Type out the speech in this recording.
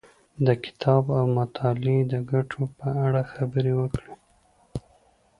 د کتاب او مطالعې د ګټو په اړه خبرې وکړې.